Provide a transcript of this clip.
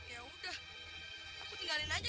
yang menjepang film ini